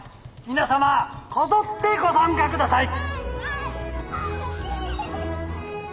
皆様こぞってご参加ください！